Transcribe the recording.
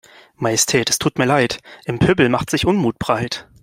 Majestät es tut mir Leid, im Pöbel macht sich Unmut breit.